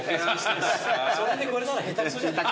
それでこれなら下手くそじゃない。